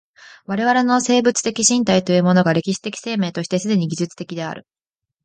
我々の生物的身体というものが歴史的生命として既に技術的である。